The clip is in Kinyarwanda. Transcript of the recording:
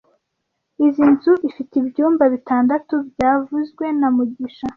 Izoi nzu ifite ibyumba bitandatu byavuzwe na mugisha